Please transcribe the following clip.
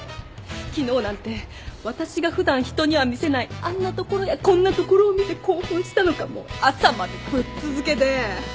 昨日なんて私が普段人には見せないあんなところやこんなところを見て興奮したのかもう朝までぶっ続けで。